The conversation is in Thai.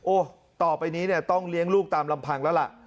ต่อไปนี้เนี่ยต้องเลี้ยงลูกตามลำพังแล้วล่ะ